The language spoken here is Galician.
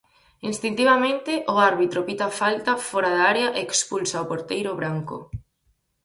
Instintivamente o árbitro pita falta fóra da área e expulsa ao porteiro branco.